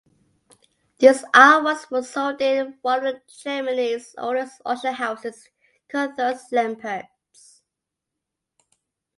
These artworks were sold in one of Germany's oldest auction houses, Kunsthaus Lempertz.